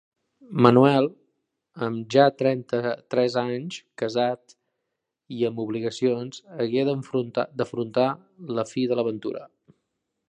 Manuel, ja amb trenta-tres anys, casat i amb obligacions, hagué d'afrontar la fi de l'aventura.